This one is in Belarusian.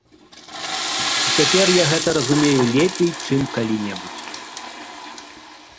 І цяпер я гэта разумею лепей, чым калі-небудзь.